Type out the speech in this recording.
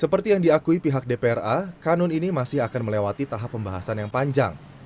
seperti yang diakui pihak dpra kanun ini masih akan melewati tahap pembahasan yang panjang